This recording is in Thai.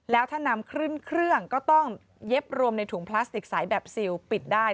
แล้วถ้านำขึ้นเครื่องก็ต้องเย็บรวมในถุงพลาสติกสายแบบซิลปิดได้